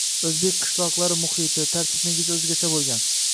O‘zbek qishloqlari — muhiti, tartib-negizi o‘zgacha bo‘lgan